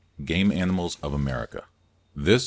GAME ANIMALS OF AMERICA _By W.